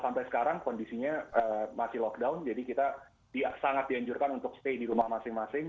sampai sekarang kondisinya masih lockdown jadi kita sangat dianjurkan untuk stay di rumah masing masing